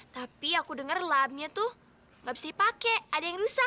tapi aku dengar lamnya tuh gak bisa dipakai ada yang rusak